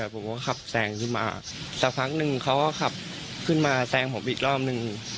ผมก็ขับแซงขึ้นมาสักพักหนึ่งเขาก็ขับขึ้นมาแซงผมอีกรอบหนึ่ง